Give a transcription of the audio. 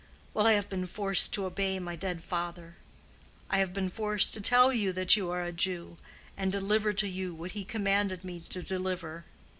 Well, I have been forced to obey my dead father. I have been forced to tell you that you are a Jew, and deliver to you what he commanded me to deliver."